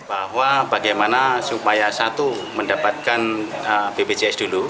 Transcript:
bahwa bagaimana supaya satu mendapatkan bpjs dulu